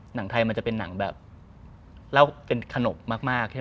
หนังไทยมันจะเป็นหนังแบบเล่าเป็นขนบมากใช่ไหม